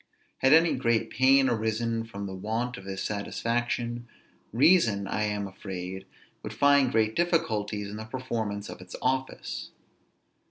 Had any great pain arisen from the want of this satisfaction, reason, I am afraid, would find great difficulties in the performance of its office.